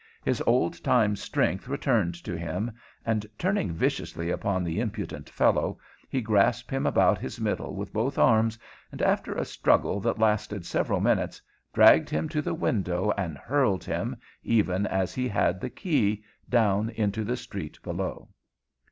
His old time strength returned to him, and, turning viciously upon the impudent fellow, he grasped him about his middle with both arms, and, after a struggle that lasted several minutes, dragged him to the window and hurled him, even as he had the key, down into the street below.